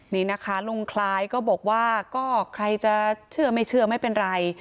นี่นะคะลุงคล้ายก็บอกว่าก็ใครจะเชื่อไม่เชื่อไม่เป็นไร